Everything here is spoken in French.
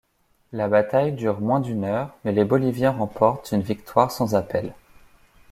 La bataille dure moins d'une heure, mais les Boliviens remportent une victoire sans appel.